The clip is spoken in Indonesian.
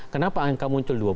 kenapa angka muncul dua puluh